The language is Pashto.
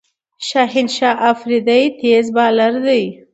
شاهین شاه آفريدي تېز بالر دئ.